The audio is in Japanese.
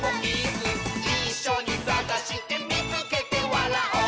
「いっしょにさがしてみつけてわらおう！」